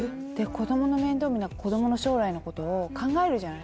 子供の面倒見ながら子供の将来のことを考えるじゃない？